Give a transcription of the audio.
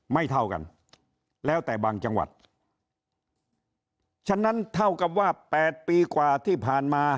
เท่ากันแล้วแต่บางจังหวัดฉะนั้นเท่ากับว่า๘ปีกว่าที่ผ่านมา